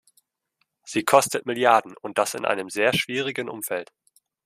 Sie kostet Milliarden, und das in einem sehr schwierigen Umfeld.